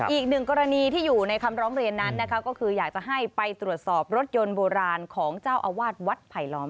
อีกหนึ่งกรณีที่อยู่ในคำร้องเรียนนั้นนะคะก็คืออยากจะให้ไปตรวจสอบรถยนต์โบราณของเจ้าอาวาสวัดไผลล้อม